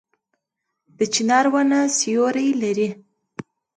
د چنار ونه سیوری لري